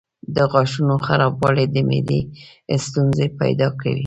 د غاښونو خرابوالی د معدې ستونزې پیدا کوي.